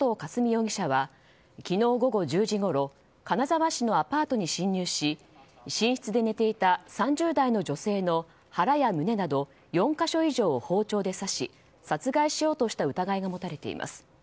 容疑者は昨日午後１０時ごろ金沢市のアパートに侵入し寝室で寝ていた３０代の女性の腹や胸など４か所以上を包丁で刺し殺害しようとした疑いが持たれています。